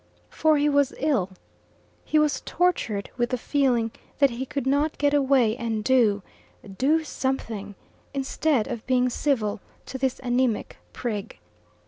For he was ill. He was tortured with the feeling that he could not get away and do do something, instead of being civil to this anaemic prig.